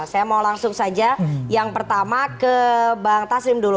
saya mau langsung saja yang pertama ke bang taslim dulu